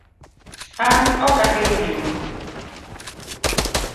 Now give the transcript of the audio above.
An okahero njugu